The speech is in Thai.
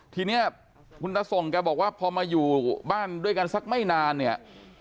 ทีนี้คุณตาส่งแกบอกว่าพอมาอยู่บ้านด้วยกันสักไม่นานเนี่ย